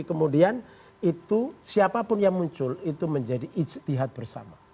kemudian itu siapapun yang muncul itu menjadi ijtihad bersama